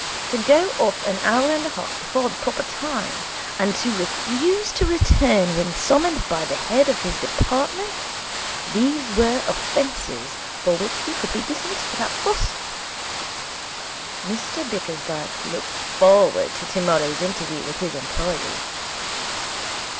To go off an hour and a half before the proper time, and to refuse to return when summoned by the head of his department these were offences for which he could be dismissed without fuss. Mr Bickersdyke looked forward to tomorrow's interview with his employee.